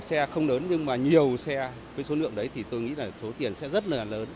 xe không lớn nhưng mà nhiều xe với số lượng đấy thì tôi nghĩ là số tiền sẽ rất là lớn